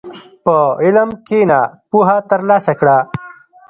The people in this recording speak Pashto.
په علم کښېنه، پوهه ترلاسه کړه.